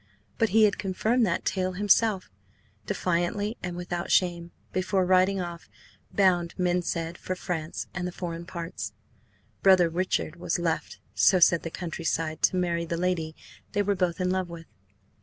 But he had confirmed that tale himself, defiantly and without shame, before riding off, bound, men said, for France and the foreign parts. Brother Richard was left, so said the countryside, to marry the lady they were both in love with.